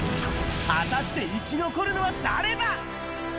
果たして生き残るのは誰だ？